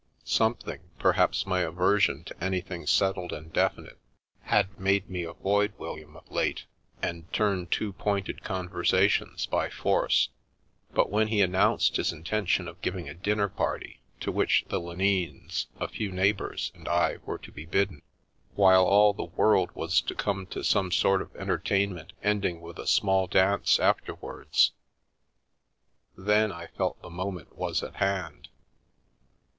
Something — perhaps my aversion to anything settled and definite — had made me avoid Wil liam of late, and turn too pointed conversations by force, but when he announced his intention of giving a dinner party to which the Lenines, a few neighbours and I were to be bidden, while all the world was to come to some sort of entertainment ending with a small dance after wards, then I felt the moment was at hand.